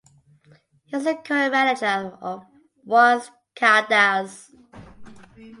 He is the current manager of Once Caldas.